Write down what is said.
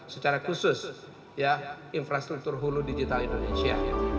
secara khusus infrastruktur hulu digital indonesia